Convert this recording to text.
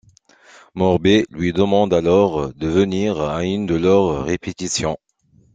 Morbee lui demande alors de venir à une de leurs répétitions.